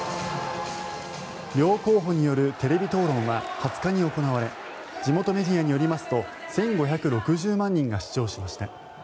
両候補によるテレビ討論は２０日に行われ地元メディアによりますと１５６０万人が視聴しました。